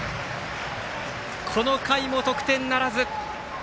この回も得点ならず。